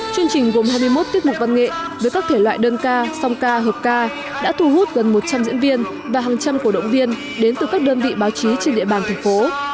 chương trình gồm hai mươi một tiết mục văn nghệ với các thể loại đơn ca song ca hợp ca đã thu hút gần một trăm linh diễn viên và hàng trăm cổ động viên đến từ các đơn vị báo chí trên địa bàn thành phố